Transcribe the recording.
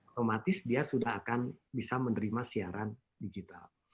otomatis dia sudah akan bisa menerima siaran digital